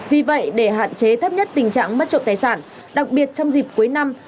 vì vậy để hạn chế thấp nhất tình trạng mất trộm tài sản đặc biệt trong dịp cuối năm